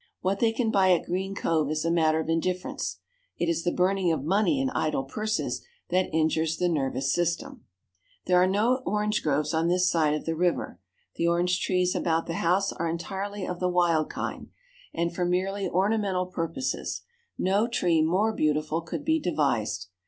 What they can buy at Green Cove is a matter of indifference. It is the burning of money in idle purses that injures the nervous system. There are no orange groves on this side of the river. The orange trees about the house are entirely of the wild kind; and, for merely ornamental purposes, no tree more beautiful could be devised.